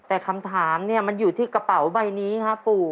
แต่คำถามเนี่ยมันอยู่ที่กระเป๋าใบนี้ครับปู่